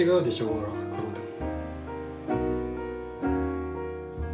ほら黒でも。